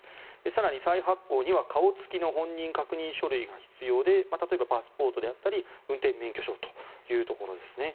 更に、再発行には顔付きの本人確認書類が必要で例えばパスポートであったり運転免許証というところですね。